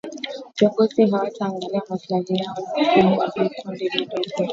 viongozi hawata angalia maslahi yao na maslahi ya vikundi vidogo